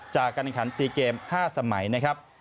จากการขัน๔เกม๕สมัยนะครับ